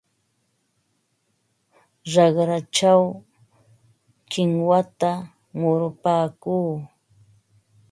Raqrachaw kinwata murupaakuu.